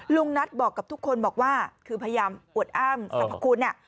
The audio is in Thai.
ลุงนัทบอกกับทุกคนบอกว่าคือพยายามอวดอ้างสรรพคุณ